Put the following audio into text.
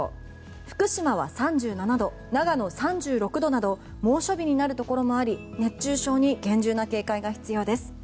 福島は３６度、長野３６度など猛暑日になるところもあり熱中症に厳重な警戒が必要です。